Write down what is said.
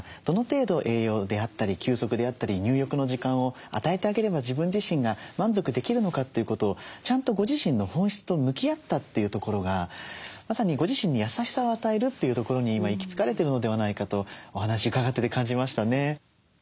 どの程度栄養であったり休息であったり入浴の時間を与えてあげれば自分自身が満足できるのかということをちゃんとご自身の本質と向き合ったというところがまさにご自身に優しさを与えるというところに今行き着かれてるのではないかとお話伺ってて感じましたね。